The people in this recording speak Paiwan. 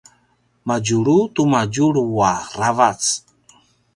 madjulu tu temalidu aravac